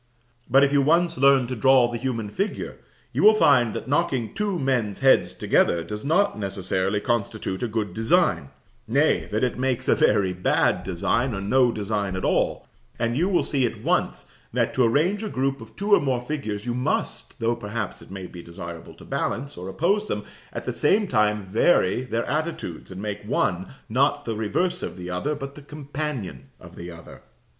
But if you once learn to draw the human figure, you will find that knocking two men's heads together does not necessarily constitute a good design; nay, that it makes a very bad design, or no design at all; and you will see at once that to arrange a group of two or more figures, you must, though perhaps it may be desirable to balance, or oppose them, at the same time vary their attitudes, and make one, not the reverse of the other, but the companion of the other.